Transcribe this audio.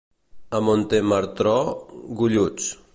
A Montenartró, golluts.